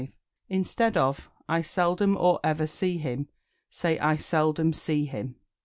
Instead of "I seldom or ever see him," say "I seldom see him."